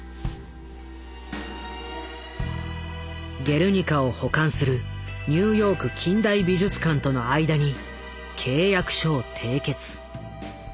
「ゲルニカ」を保管するニューヨーク近代美術館との間に契約書を締結。